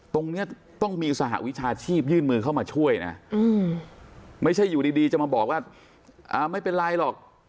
ตรงนี้ต้องมีสหวิชาชีพยื่นมือเข้ามาช่วยนะไม่ใช่อยู่ดีจะมาบอกว่าไม่เป็นไรหรอก